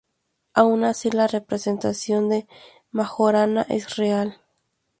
Aun así la representación de Majorana es real.